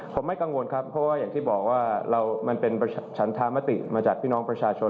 ผมไม่กังวลครับเพราะว่าอย่างที่บอกว่ามันเป็นฉันธามติมาจากพี่น้องประชาชน